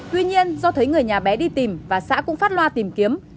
tuy nhiên do thấy người nhà bé đi tìm và xã cũng phát loa tìm kiếm